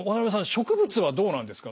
植物はどうなんですか？